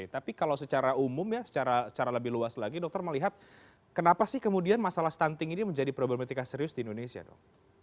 tapi kalau secara umum ya secara lebih luas lagi dokter melihat kenapa sih kemudian masalah stunting ini menjadi problematika serius di indonesia dok